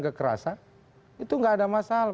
kekerasan itu tidak ada masalah